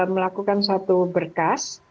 melakukan suatu berkas